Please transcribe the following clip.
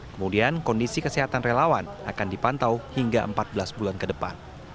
kemudian kondisi kesehatan relawan akan dipantau hingga empat belas bulan ke depan